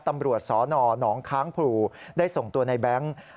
ตำรวจสนหนองค้างพลูได้ส่งตัวในแบงค์